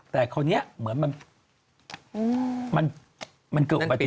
แต่คราวนี้เหมือนมันเกิดอุบัติเหตุ